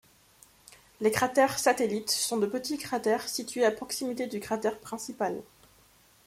Les cratères satellites sont de petits cratères situés à proximité du cratère principal.